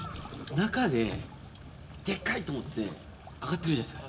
中で、でかい！と思ってとってみるじゃないですか。